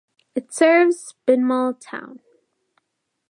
It serves Bhinmal town.